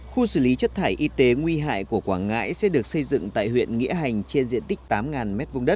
khu xử lý chất thải y tế nguy hại của quảng ngãi sẽ được xây dựng tại huyện nghĩa hành trên diện tích tám m hai